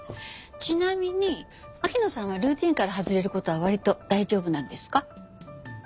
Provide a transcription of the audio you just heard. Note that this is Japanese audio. ちなみに秋野さんはルーティンから外れる事は割と大丈夫なんですか？